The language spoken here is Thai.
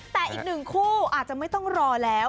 แต่อีกหนึ่งคู่อาจจะไม่ต้องรอแล้ว